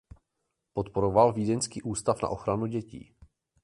Podporoval vídeňský ústav na ochranu dětí.